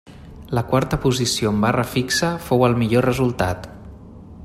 La quarta posició en barra fixa fou el millor resultat.